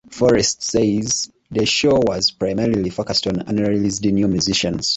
Forrest says, The show was primarily focused on unreleased new musicians.